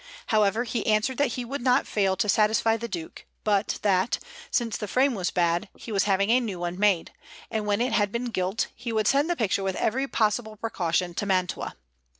However, he answered that he would not fail to satisfy the Duke; but that, since the frame was bad, he was having a new one made, and when it had been gilt he would send the picture with every possible precaution to Mantua.